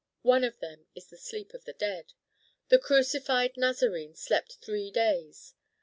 One of them is the sleep of the dead. The crucified Nazarene slept three days.